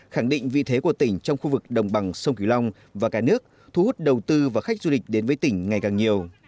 khẳng định vị thế của tỉnh trong khu vực đồng bằng sông kiều long và cả nước thu hút đầu tư và khách du lịch đến với tỉnh ngày càng nhiều